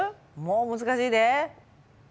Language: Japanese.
もう難しいで。